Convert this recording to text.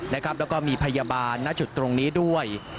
แล้วก็มีพยาบาลณจุดตรงนี้ด้วย